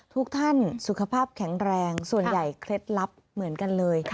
ทุกท่านสุขภาพแข็งแรงส่วนใหญ่เคล็ดลับเหมือนกันเลย